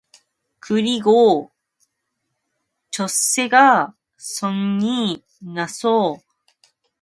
그리고 첫째가 성이 나서 뛰어나오는 것 같아서 뒤로 비슬비슬 물러섰다.